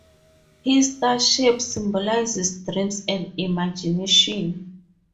His star shape symbolizes dreams and imagination.